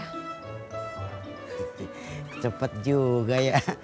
oh cepet juga ya